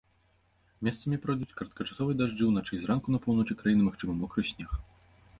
Месцамі пройдуць кароткачасовыя дажджы, уначы і зранку па поўначы краіны магчымы мокры снег.